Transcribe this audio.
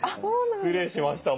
失礼しました。